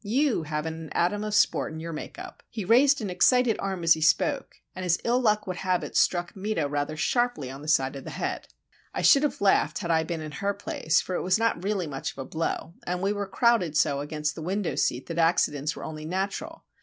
You haven't an atom of sport in your make up!" He raised an excited arm as he spoke, and as ill luck would have it struck Meta rather sharply on the side of the head. I should have laughed had I been in her place, for it was not really much of a blow, and we were crowded so against the window seat that accidents were only natural.